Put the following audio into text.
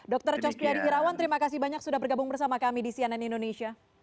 dokter cospi adi irawan terima kasih banyak sudah bergabung bersama kami di cnn indonesia